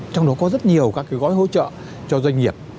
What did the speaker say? trong đó có rất nhiều các gói hỗ trợ cho doanh nghiệp